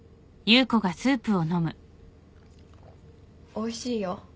おいしいよ。